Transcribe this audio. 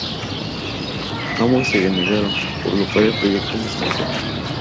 Ambos se negaron, por lo cual el proyecto se estancó.